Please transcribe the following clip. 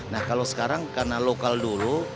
nah kalau sekarang karena lokal dulu